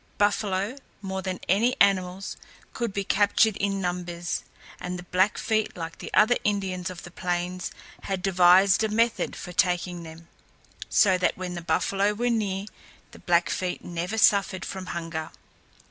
Buffalo, more than any other animals, could be captured in numbers, and the Blackfeet, like the other Indians of the plains, had devised a method for taking them, so that when the buffalo were near the Blackfeet never suffered from hunger.